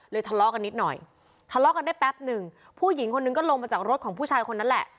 ทะเลาะกันนิดหน่อยทะเลาะกันได้แป๊บหนึ่งผู้หญิงคนนึงก็ลงมาจากรถของผู้ชายคนนั้นแหละ